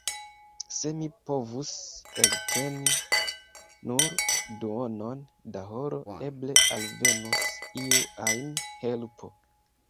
Se mi povus elteni nur duonon da horo, eble alvenus iu ajn helpo!